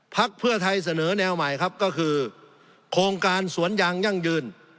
พักเพื่อไทยเสนอแนวใหม่ครับก็คือโครงการสวนยางยั่งยืน